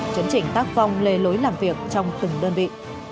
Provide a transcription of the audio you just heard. chấn chỉnh tác phong lề lối làm việc trong từng đơn vị